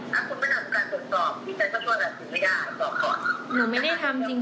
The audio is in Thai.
ถ้าคุณอยากทำสวดสอบเราจะทำวิธีที่เร็วที่สุด